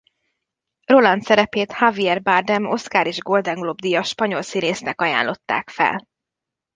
Roland szerepét Javier Bardem Oscar- és Golden Globe-díjas spanyol színésznek ajánlották fel.